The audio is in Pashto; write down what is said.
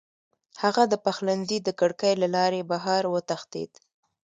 هغه د پخلنځي د کړکۍ له لارې بهر وتښتېد.